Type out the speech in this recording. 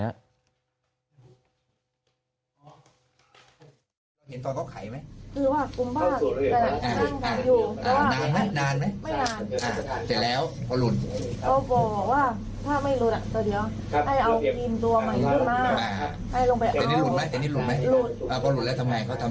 ก็บอกว่าให้เราเข้าแป๊บนึงนะแล้วบอกว่ามันจะเข้าน้ำ